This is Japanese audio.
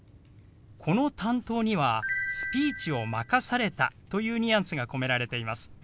この「担当」には「スピーチを任された」というニュアンスが込められています。